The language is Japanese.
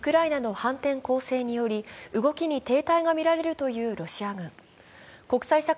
ウクライナの反転攻勢により、動きに停滞がみられるというロシア軍。